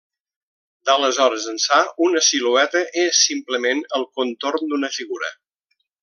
D’aleshores ençà, una silueta és simplement el contorn d’una figura.